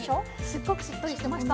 すっごくしっとりしてました。